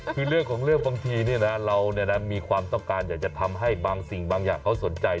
คือเรื่องของเรื่องบางทีเรามีความต้องการอยากจะทำให้บางสิ่งบางอย่างเขาสนใจ